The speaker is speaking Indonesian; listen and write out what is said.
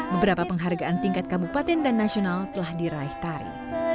beberapa penghargaan tingkat kabupaten dan nasional telah diraih tari